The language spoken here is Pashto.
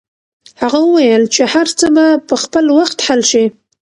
هغه وویل چې هر څه به په خپل وخت حل شي.